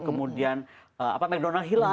kemudian mcdonald's hilang